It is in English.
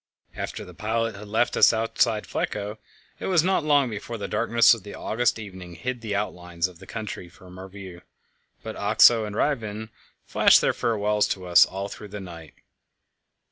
After the pilot had left us outside Flekkerö, it was not long before the darkness of the August evening hid the outlines of the country from our view; but Oxö and Ryvingen flashed their farewells to us all through the night.